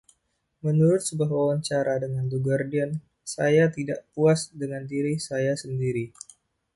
Menurut sebuah wawancara dengan "The Guardian": "Saya tidak puas dengan diri saya sendiri.